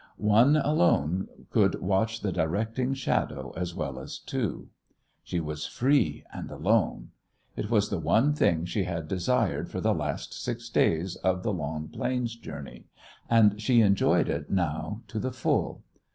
One alone could watch the directing shadow as well as two. She was free and alone. It was the one thing she had desired for the last six days of the long plains journey, and she enjoyed it now to the full.